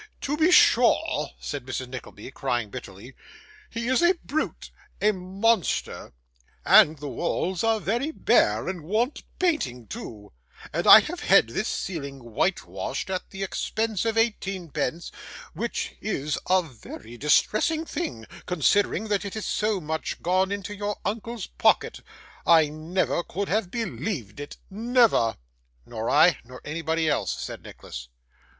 'To be sure,' said Mrs. Nickleby, crying bitterly, 'he is a brute, a monster; and the walls are very bare, and want painting too, and I have had this ceiling whitewashed at the expense of eighteen pence, which is a very distressing thing, considering that it is so much gone into your uncle's pocket. I never could have believed it never.' 'Nor I, nor anybody else,' said Nicholas.